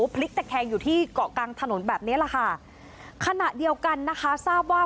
พลิกตะแคงอยู่ที่เกาะกลางถนนแบบนี้แหละค่ะขณะเดียวกันนะคะทราบว่า